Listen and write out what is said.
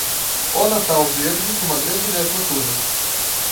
Oh Natal, verde, numa grande neve noturna.